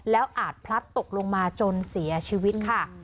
แล้วอาจพลัดตกลงมาจนเสียชีวิตค่ะ